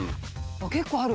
結構ある。